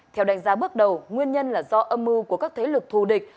theo đánh giá bước đầu nguyên nhân là do âm mưu của các thế lực thù địch